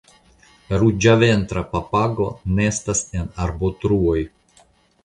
Ruĝaventra papago nestas en arbotruoj.